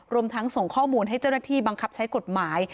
รวมทั้งส่งข้อมูลให้เจ้าหน้าที่บังคับใช้กฎหมาย